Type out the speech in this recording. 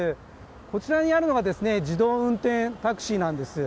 こちらにあるのが自動運転タクシーなんです。